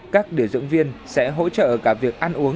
các điều dưỡng viên sẽ hỗ trợ cả việc ăn uống